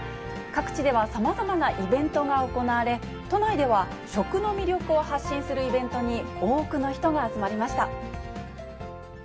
各地ではさまざまなイベントが行われ、都内では食の魅力を発信するイベントに多くの人が集まりました。